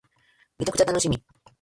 めちゃくちゃ楽しみ